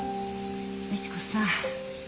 美知子さん。